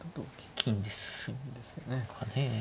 金ですよね。